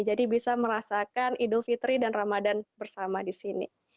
jadi bisa merasakan idul fitri dan ramadan bersama di sini